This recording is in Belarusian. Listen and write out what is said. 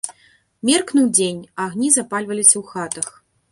Меркнуў дзень, агні запальваліся ў хатах.